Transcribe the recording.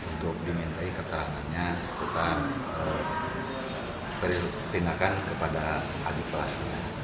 untuk dimintai keterangannya seputar perintahkan kepada adik pelas